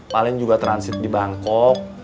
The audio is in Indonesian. paling juga transit di bangkok